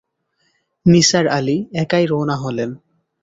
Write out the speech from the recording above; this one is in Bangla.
নিসার আলি একই রওনা হলেন।